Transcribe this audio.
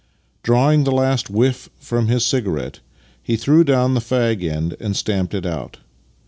Drawing the last whiff from his cigarette, he threw down the fag end and stamped it oui.